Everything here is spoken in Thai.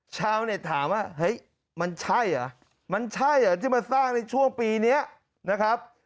ชาวเน็ตถามว่าเฮ้ยมันใช่เหรอมันใช่เหรอที่มาสร้างในช่วงปีนี้นะครับ